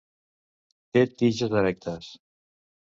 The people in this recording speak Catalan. Té tiges erectes.